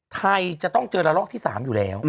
ไทยจะต้องเจอละลอกที่๓อยู่แล้ว